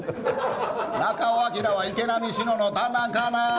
中尾彬は池波志乃の旦那かな。